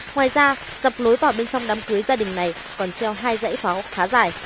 ngoài ra dập lối vào bên trong đám cưới gia đình này còn treo hai dãy pháo khá dài